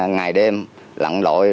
ngày đêm lặn lội